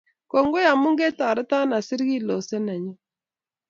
kongoi amu ketoreto asiir kiloset nenyu